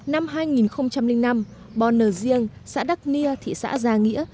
năm hai nghìn năm bonner riêng xã đắc nia thị xã gia nghĩa